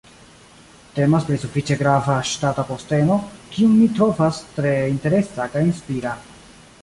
Temas pri sufiĉe grava ŝtata posteno, kiun mi trovas tre interesa kaj inspira.